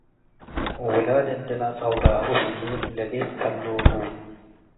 ውላድ እንዴ ለአጸውራሁ ህዬ ለቤት ከሎ ቡ ።